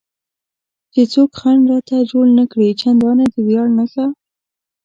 چې څوک خنډ راته جوړ نه کړي، چندانې د ویاړ نښه.